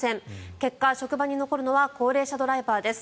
結果、職場に残るのは高齢者ドライバーです。